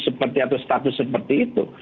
seperti atau status seperti itu